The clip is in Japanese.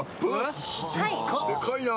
でかいな。